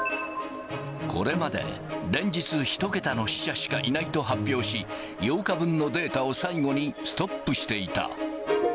これまで連日、１桁の死者しかいないと発表し、８日分のデータを最後にストップしていた。